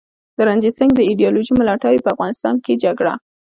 د رنجیت سینګ د ایډیالوژۍ ملاتړي په افغانستان کي جګړه